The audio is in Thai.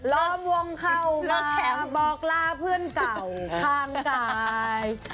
ล้อมวงเข้ามาแคมป์บอกลาเพื่อนเก่าข้างกาย